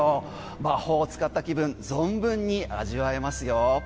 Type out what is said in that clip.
魔法を使った気分存分に味わえますよ。